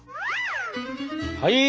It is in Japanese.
はい！